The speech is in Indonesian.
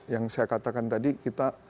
yang saya katakan tadi kita